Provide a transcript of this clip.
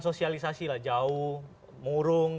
sosialisasi lah jauh murung